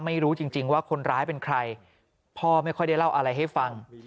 ไม่รู้จริงว่าคนร้ายเป็นใครพ่อไม่ค่อยได้เล่าอะไรให้ฟัง